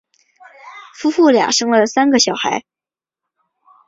夫妇俩生了三个小孩。